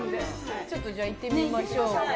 ちょっとじゃあ行ってみましょう。